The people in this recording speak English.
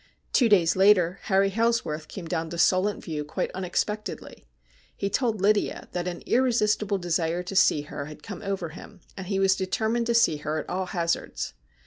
Two days later Harry Hailsworth came down to Solent View quite unexpectedly. He told Lydia that an irresistible desire to see her had come over him, and he was determined to see her at all hazards.